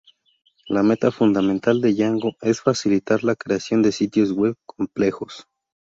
La meta fundamental de Django es facilitar la creación de sitios web complejos.